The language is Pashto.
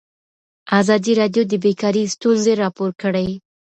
ازادي راډیو د بیکاري ستونزې راپور کړي.